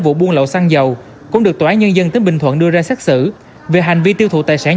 vụ buôn lậu xăng dầu cũng được tòa án nhân dân tỉnh bình thuận đưa ra xác xử về hành vi tiêu thụ tài sản